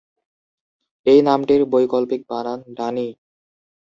এই নামটির বৈকল্পিক বানান ডানী।